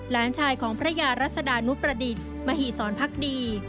หลานชายของพระยารัศดานุประดิษฐ์มหิสรพักดี